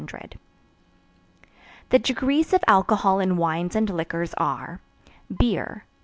The degrees of alcohol in wines and liquors are: Beer, 4.